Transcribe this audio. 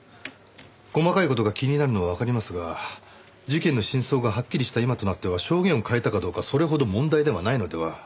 細かい事が気になるのはわかりますが事件の真相がはっきりした今となっては証言を変えたかどうかそれほど問題ではないのでは？